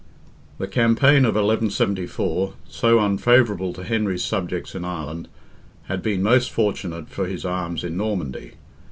The campaign of 1174, so unfavourable to Henry's subjects in Ireland, had been most fortunate for his arms in Normandy.